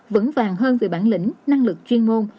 vững vàng hơn về bản lĩnh năng lực chuyên môn